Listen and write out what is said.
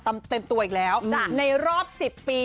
เต็มตัวอีกแล้วในรอบ๑๐ปี